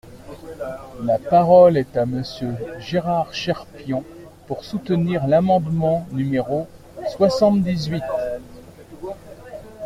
La parole est à Monsieur Gérard Cherpion, pour soutenir l’amendement numéro soixante-dix-huit.